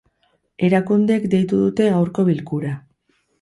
Erakundeek deitu dute gaurko bilkura.